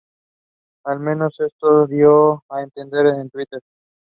Oleg Moiseev left after six rounds with the same score.